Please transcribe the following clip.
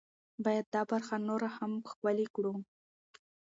باید دا برخه نوره هم ښکلې کړو.